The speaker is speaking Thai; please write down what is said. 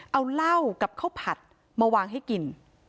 เอาเหล้ากับข้าวผัดมาวางให้กิน